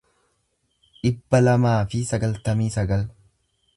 dhibba lamaa fi sagaltamii sagal